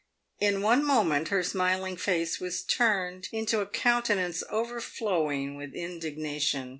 In one moment her smiling face was turned into a countenance overflowing with indignation.